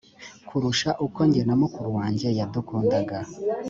kurusha uko jye na mukuru wanjye yadukundaga